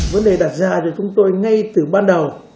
vấn đề đặt ra cho chúng tôi ngay từ ban đầu